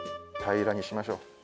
平らにしましょう。